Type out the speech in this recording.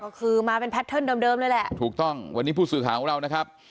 ก็คือมาเป็นแพทเทิร์นเดิมเลยแหละถูกต้องวันนี้ผู้สื่อข่าวของเรานะครับ